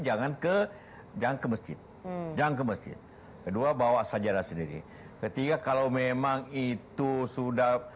jangan ke jangan ke masjid jangan ke masjid kedua bawa sajadah sendiri ketiga kalau memang itu sudah